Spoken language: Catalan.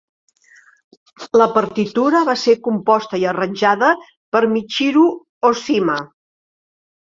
La partitura va ser composta i arranjada per Michiru Oshima.